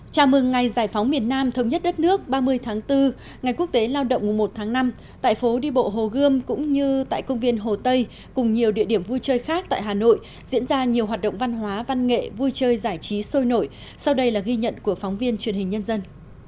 chào mừng ngày giải phóng miền nam thống nhất đất nước ba mươi tháng bốn ngày quốc tế lao động mùa một tháng năm tại phố đi bộ hồ gươm cũng như tại công viên hồ tây cùng nhiều địa điểm vui chơi khác tại hà nội diễn ra nhiều hoạt động văn hóa văn nghệ vui chơi giải trí sôi nổi sau đây là ghi nhận của phóng viên truyền hình nhân dân